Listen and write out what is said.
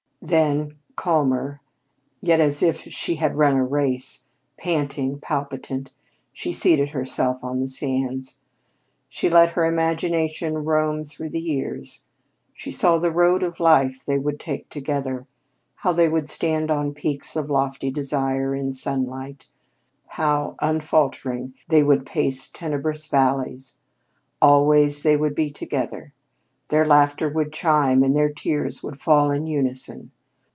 Then, calmer, yet as if she had run a race, panting, palpitant, she seated herself on the sands. She let her imagination roam through the years. She saw the road of life they would take together; how they would stand on peaks of lofty desire, in sunlight; how, unfaltering, they would pace tenebrous valleys. Always they would be together. Their laughter would chime and their tears would fall in unison.